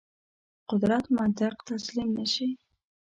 قدرت منطق تسلیم نه شي.